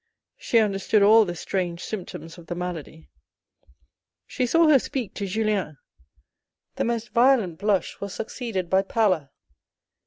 She understood all the strange symptoms of the malady. She saw her speak to Julien. The most violent blush was succeeded by pallor.